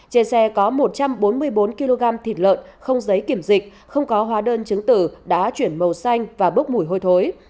trên xe có một trăm bốn mươi bốn kg thịt lợn không giấy kiểm dịch không có hóa đơn chứng tử đã chuyển màu xanh và bốc mùi hôi thối